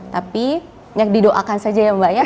tapi banyak didoakan saja ya mbak ya